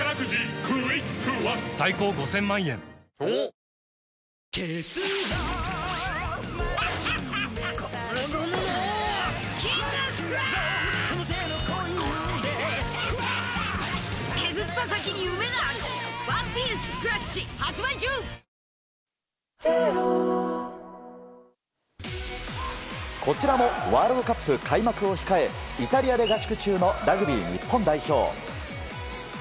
その次はこちらも優勝候補、こちらもワールドカップ開幕を控え、イタリアで合宿中のラグビー日本代表。